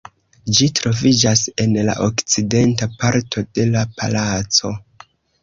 Ĝi troviĝas en la okcidenta parto de la palaco.